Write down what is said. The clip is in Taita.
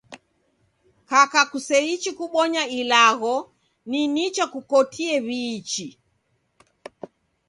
Kaka kuseichi kubonya ilagho, ni nicha kukotie w'iichi